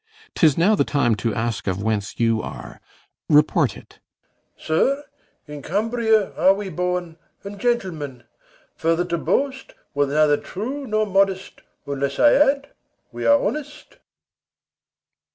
'Tis now the time To ask of whence you are. Report it. BELARIUS. Sir, In Cambria are we born, and gentlemen; Further to boast were neither true nor modest, Unless I add we are honest.